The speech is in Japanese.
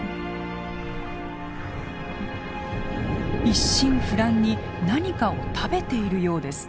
一心不乱に何かを食べているようです。